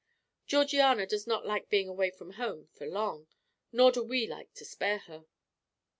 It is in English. Georgiana does not like being away from home for long, nor do we like to spare her."